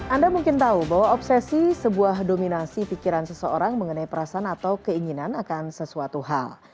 anda mungkin tahu bahwa obsesi sebuah dominasi pikiran seseorang mengenai perasaan atau keinginan akan sesuatu hal